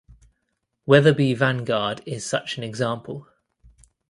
Weatherby Vanguard is such an example.